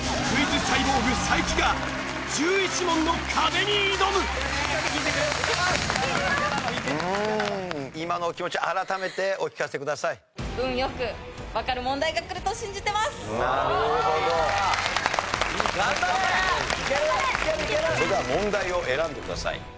それでは問題を選んでください。